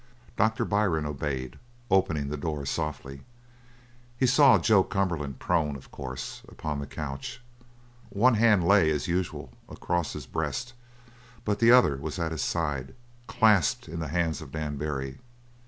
Doctor Byrne obeyed, opening the door softly. He saw Joe Cumberland prone, of course, upon the couch. One hand lay as usual across his breast, but the other was at his side, clasped in the hands of Dan Barry.